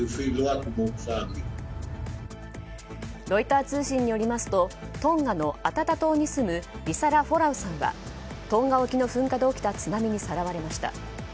ロイター通信によりますとトンガのアタタ島に住むリサラ・フォラウさんはトンガ沖の噴火で起きた津波にさらわれました。